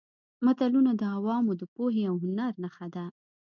متلونه د عوامو د پوهې او هنر نښه ده